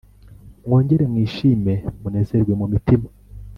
mwongere mwishime munezerwe mumutima